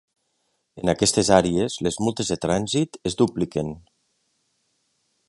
En aquestes àrees, les multes de trànsit es dupliquen.